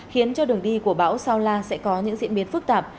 khiến cho đường đi của bão sao la sẽ có những diễn biến phức tạp